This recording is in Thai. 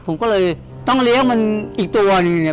ผมก็เลยต้องเลี้ยงมันอีกตัวหนึ่งเนี่ย